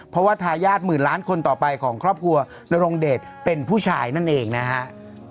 เพราะว่าทายาทหมื่นล้านคนต่อไปของครอบครัวนรงเดชเป็นผู้ชายนั่นเองนะฮะ